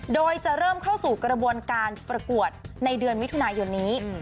โดยจะเริ่มเข้าสู่กระบวนการประกวดในเดือนมิถุนายนนี้